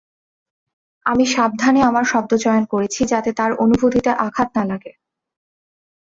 আমি সাবধানে আমার শব্দ চয়ন করেছি যাতে তার অনুভূতিতে আঘাত না লাগে।